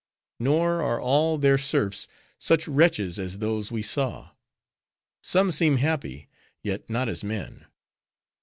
Nor are all their serfs such wretches as those we saw. Some seem happy: yet not as men.